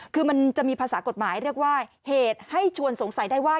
คือมันจะมีภาษากฎหมายเรียกว่าเหตุให้ชวนสงสัยได้ว่า